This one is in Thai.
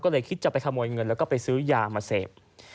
ก็เลยคิดจะไปขโมยเงินแล้วก็ไปซื้อยามาเสพ